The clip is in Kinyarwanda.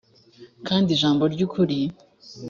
kandi ijambo ry ukuri